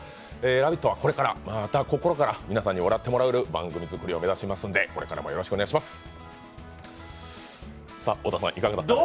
「ラヴィット！」はこれからまた心から皆さんに笑ってもらえる番組作りを目指しますんでよろしくお願いします。